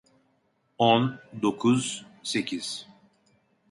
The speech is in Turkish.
On, dokuz, sekiz…